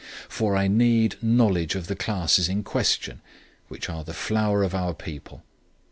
For I need knowledge of the classes in question, which are the flower of our people.